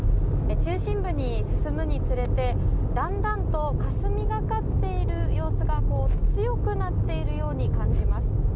中心部に進むにつれてだんだんとかすみがかっている様子が強くなっているように感じます。